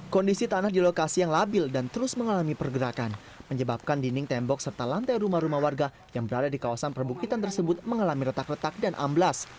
kondisi tanah di lokasi yang labil dan terus mengalami pergerakan menyebabkan dinding tembok serta lantai rumah rumah warga yang berada di kawasan perbukitan tersebut mengalami retak retak dan amblas